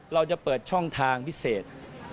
เราจะเปิดช่องทางพิเศษ